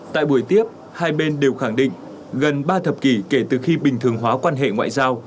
tại buổi tiếp hai bên đều khẳng định gần ba thập kỷ kể từ khi bình thường hóa quan hệ ngoại giao